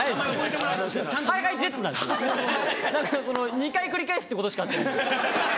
２回繰り返すってことしか合ってないんで。